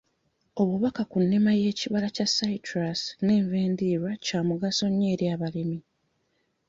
Obubaka ku nnima y'ekibala kya citrus n'enva endiirwa kya mugaso nnyo eri abalimi.